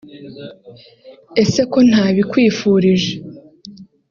Ese ko ntabikwifurije